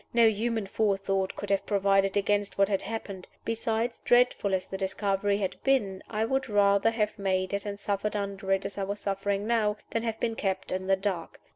No human forethought could have provided against what had happened. Besides, dreadful as the discovery had been, I would rather have made it, and suffered under it, as I was suffering now, than have been kept in the dark.